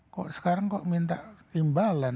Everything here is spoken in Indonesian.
kok sekarang kok minta imbalan